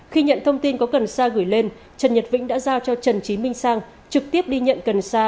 khi nhận thông tin có cần sa gửi lên trần nhật vĩnh đã giao cho trần trí minh sang trực tiếp đi nhận cần xa